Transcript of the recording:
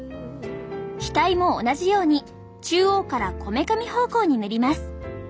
額も同じように中央からこめかみ方向に塗ります。